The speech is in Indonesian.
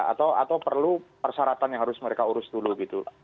atau perlu persyaratan yang harus mereka urus dulu gitu